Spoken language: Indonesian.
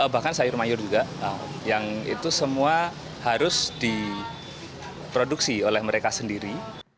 bahkan sayur mayur juga yang itu semua harus diproduksi oleh mereka sendiri